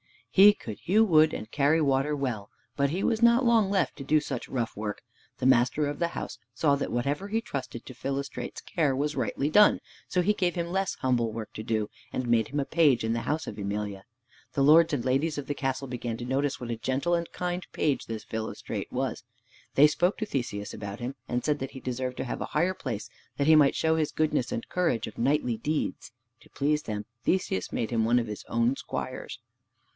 He could hew wood and carry water well, but he was not long left to do such rough work. The master of the house saw that whatever he trusted to Philostrate's care was rightly done, so he gave him less humble work to do, and made him a page in the house of Emelia. The lords and ladies of the castle began to notice what a gentle and kind page this Philostrate was. They spoke to Theseus about him, and said that he deserved to have a higher place that he might show his goodness and courage in knightly deeds. To please them, Theseus made him one of his own squires.